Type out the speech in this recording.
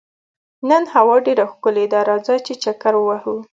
نن هوا ډېره ښکلې ده، راځه چې چکر ووهو.